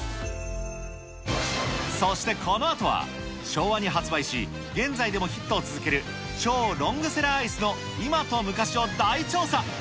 そしてこのあとは、昭和に発売し、現在でもヒットを続ける超ロングセラーアイスの今と昔を大調査。